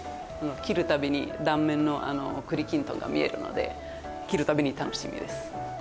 切るたびに断面の栗きんとんが見えるので切るたびに楽しいです